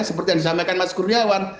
seperti yang disampaikan mas kurniawan